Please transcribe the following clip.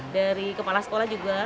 dari kepala sekolah juga